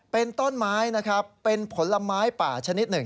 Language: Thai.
เป็นต้นไม้นะครับเป็นผลไม้ป่าชนิดหนึ่ง